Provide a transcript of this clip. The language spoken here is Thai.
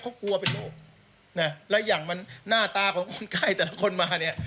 เขากลัวเป็นโลกเนี้ยแล้วอีกอย่างมันหน้าตาของคนใกล้แต่ละคนมาเนี้ย